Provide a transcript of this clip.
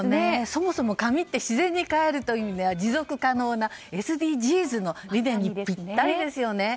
そもそも紙って自然にかえるという意味では持続可能なＳＤＧｓの理念にぴったりですよね。